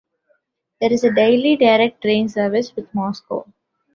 There is a daily direct train service with Moscow.